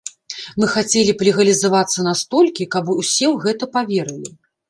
Мы хацелі б легалізавацца настолькі, каб усе ў гэта паверылі.